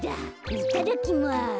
いただきます。